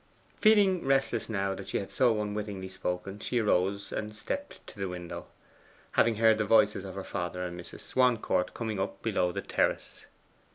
Feeling restless now that she had so unwittingly spoken, she arose and stepped to the window, having heard the voices of her father and Mrs. Swancourt coming up below the terrace.